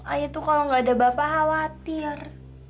ayah tuh kalau gak ada bapak khawatir